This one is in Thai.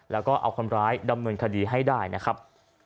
แล้วก็เอาคนร้ายดำเนินคดีให้ได้นะครับ